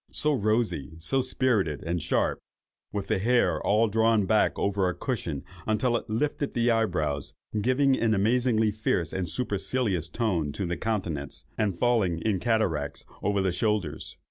—so rosy, so spirited, and sharp!—with the hair all drawn back over a cushion, until it lifted the eyebrows, giving an amazingly fierce and supercilious tone to the countenance, and falling in cataracts upon the shoulders.